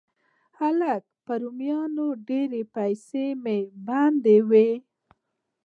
هلکه! په رومیانو ډېرې پیسې مه بندوه